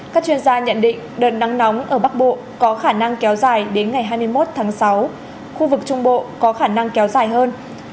các chuyên gia nhận định đợt nắng nóng ở bắc bộ có khả năng kéo dài đến ngày hai mươi một tháng sáu khu vực trung bộ có khả năng kéo dài hơn